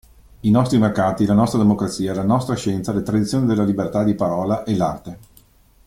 I nostri mercati, la nostra democrazia, la nostra scienza, le tradizioni della libertà di parola, e l'arte.